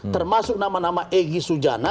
termasuk nama nama egy sujana